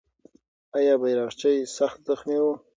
آیا بیرغچی سخت زخمي و؟